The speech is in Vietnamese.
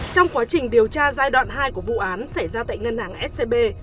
trong quá trình điều tra giai đoạn hai của vụ án xảy ra tại ngân hàng scb